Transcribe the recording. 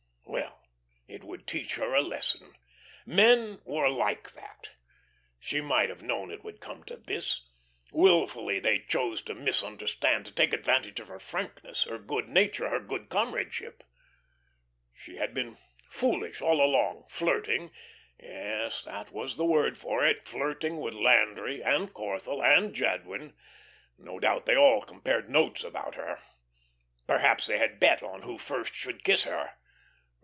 Ah, well, it would teach her a lesson. Men were like that. She might have known it would come to this. Wilfully they chose to misunderstand, to take advantage of her frankness, her good nature, her good comradeship. She had been foolish all along, flirting yes, that was the word for it flirting with Landry and Corthell and Jadwin. No doubt they all compared notes about her. Perhaps they had bet who first should kiss her.